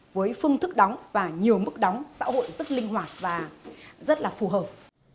với phương thức đóng và nhiều mức đóng xã hội rất linh hoạt và rất là phù hợp